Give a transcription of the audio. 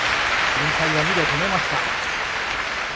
連敗は２で止めました。